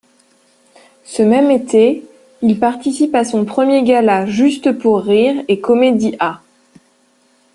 Ce même été, il participe à son premier gala Juste Pour Rire et ComédiHa!.